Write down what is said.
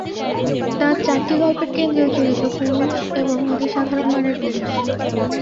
তাঁর চারটি গল্পের কেন্দ্রীয় চরিত্র পুরুষ এবং অতি সাধারণ মানের পুরুষ।